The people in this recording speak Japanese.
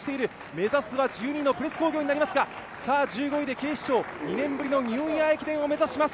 目指すは１２位のプレス工業になりますが、１５位で警視庁、２年ぶりのニューイヤー駅伝を目指します。